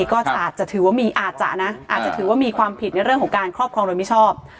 ก็อาจจะถือว่ามีอาจจะนะอาจจะถือว่ามีความผิดในเรื่องของการครอบครองโดยมิชอบ